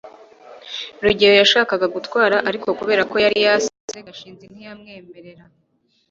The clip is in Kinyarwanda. rugeyo yashakaga gutwara, ariko kubera ko yari yasinze, gashinzi ntiyamwemerera